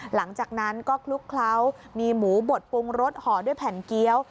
หลังจากนั้นก็คลุกเคล้ามีหมูบดปรุงรสห่อด้วยแผ่นเกี้ยว